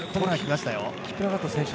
キプラガト選手